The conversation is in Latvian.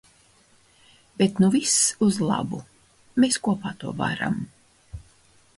Bet nu viss uz labu. Mēs kopā to varam.